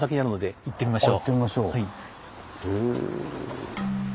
行ってみましょう。